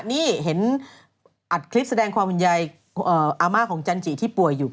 นี่เห็นอัดคลิปแสดงความห่วงใยอาม่าของจันจิที่ป่วยอยู่